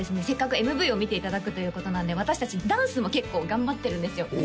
せっかくＭＶを見ていただくということなんで私達ダンスも結構頑張ってるんですよ